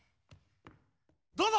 どうぞ！